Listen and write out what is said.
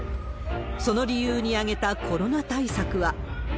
その理由に挙げたコロナ対策は。